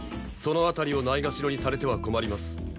その辺りをないがしろにされては困ります。